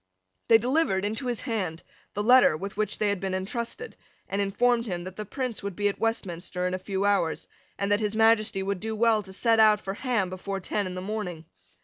They delivered into his hand the letter with which they had been entrusted, and informed him that the Prince would be at Westminster in a few hours, and that His Majesty would do well to set out for Ham before ten in the morning.